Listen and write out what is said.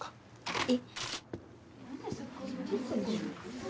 えっ。